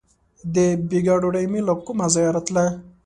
• د بېګا ډوډۍ مې له کومه ځایه راتله.